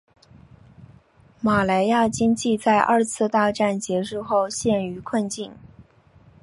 马来亚经济在二次大战结束后陷于困境。